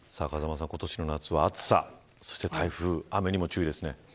今年の夏は暑さ、台風雨にも注意が必要ですね。